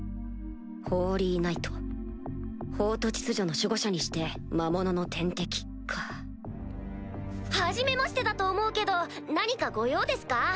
ホーリーナイト法と秩序の守護者にして魔物の天敵かはじめましてだと思うけど何かご用ですか？